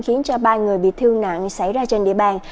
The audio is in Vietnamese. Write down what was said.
khiến cho ba người bị thương nặng xảy ra trên địa bàn